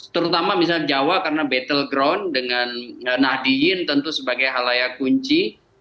karena terutama misalnya jawa karena battle ground dengan nahdijin tentu sebagai halaya kunci